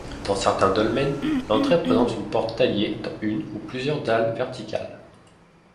Dans certains dolmens, l'entrée présente une porte taillée dans une ou plusieurs dalles verticales.